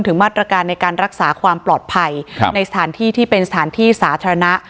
มาตรการในการรักษาความปลอดภัยในสถานที่ที่เป็นสถานที่สาธารณะ